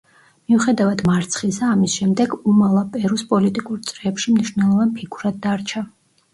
მიუხედავად მარცხისა, ამის შემდეგ უმალა პერუს პოლიტიკურ წრეებში მნიშვნელოვან ფიგურად დარჩა.